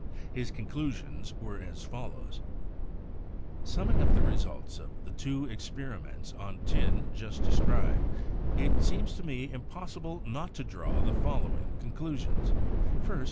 His conclusions were as follows: "Summing up the results of the two experiments on tin just described, it seems to me impossible not to draw the following conclusions : "First.